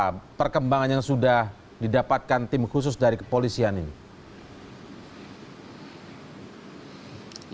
apa perkembangan yang sudah didapatkan tim khusus dari kepolisian ini